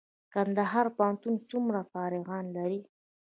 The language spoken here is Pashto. کندهار پوهنتون څومره فارغان لري؟